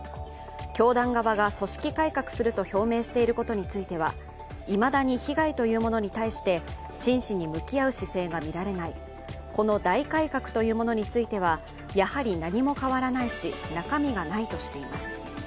教団側が組織改革すると表明していることについてはいまだに被害というものに対して真摯に向き合う姿勢がみられない、この大改革というものについてはやはり何も変わらないし、中身がないとしています。